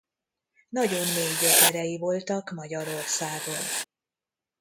Nagyon mély gyökerei voltak Magyarországon.